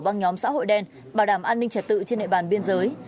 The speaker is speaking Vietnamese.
băng nhóm xã hội đen bảo đảm an ninh trật tự trên địa bàn biên giới